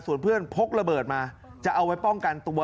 ส่วนเพื่อนพกระเบิดมาจะเอาไว้ป้องกันตัว